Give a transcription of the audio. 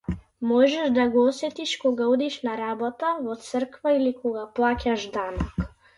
Можеш да го осетиш кога одиш на работа, во црква или кога плаќаш данок.